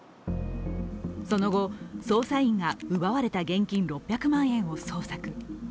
その後、捜査員が奪われた現金６００万円を捜索。